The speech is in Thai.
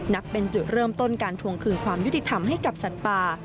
นับเป็นจุดเริ่มต้นการทวงคืนความยุติธรรมให้กับสัตว์ป่า